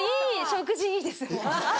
食事いいですもう。